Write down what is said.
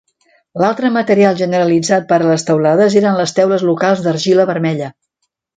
L'altre material generalitzat per a teulades eren les teules locals d'argila vermella.